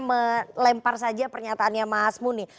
melempar saja pernyataannya mas muni